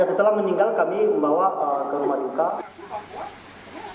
setelah meninggal kami membawa ke rumah duka